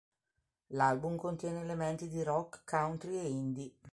L'album contiene elementi di rock, country e indie.